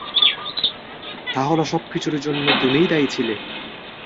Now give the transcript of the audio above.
তাহল সবকিছুর জন্য তুমিই দায়ী ছিলে।